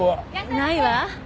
ないわ。